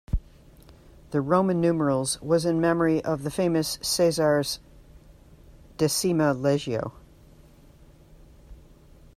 The roman numerals was in memory of the famous Caesar's Decima Legio.